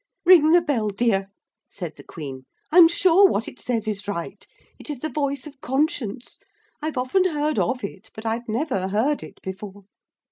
'Ring the bell, dear,' said the Queen. 'I'm sure what it says is right. It is the voice of conscience. I've often heard of it, but I never heard it before.'